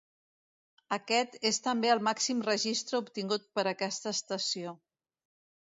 Aquest és també el màxim registre obtingut per aquesta estació.